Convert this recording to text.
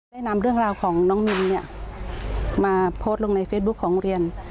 ได้นำเรื่องราวของน้องนินเนี่ยมาโพสต์ลงในเฟซบุ๊คของโรงเรียน